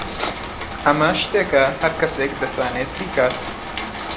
ئەمە شتێکە هەر کەسێک دەتوانێت بیکات.